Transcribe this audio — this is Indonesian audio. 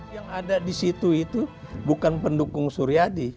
yang ada di situ itu bukan pendukung suryadi